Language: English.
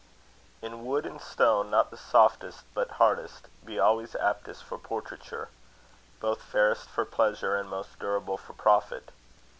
In wood and stone, not the softest, but hardest, be always aptest for portraiture, both fairest for pleasure, and most durable for profit.